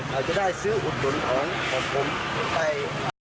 อาจจะได้ซื้ออุดหนุนของผมไป